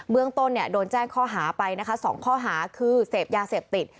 เมืองต้นโดนแจ้งข้อหาไปนะคะ๒ข้อหาคือเสพยาเสพติด